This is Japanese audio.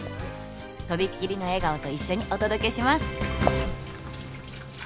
「とびっきりの笑顔と一緒にお届けします！」